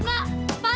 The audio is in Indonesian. tidak tidak tidak